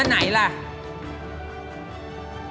ขอบคุณครับ